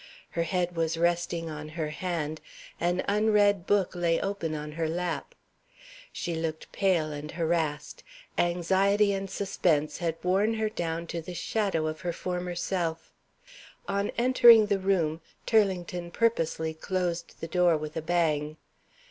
Her head was resting on her hand, an unread book lay open on her lap. She looked pale and harassed; anxiety and suspense had worn her down to the shadow of her former self. On entering the room, Turlington purposely closed the door with a bang.